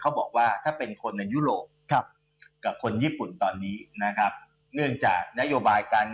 เขาบอกว่าถ้าเป็นคนในยุโรปกับคนญี่ปุ่นตอนนี้นะครับ